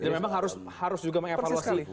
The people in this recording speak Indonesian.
memang harus juga mengevaluasi